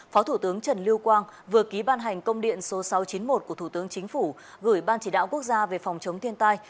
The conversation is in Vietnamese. phó thủ tướng trần lưu quang vừa ký ban hành công điện số sáu trăm chín mươi một của thủ tướng chính phủ gửi ban chỉ đạo quốc gia về phòng chống thiên tai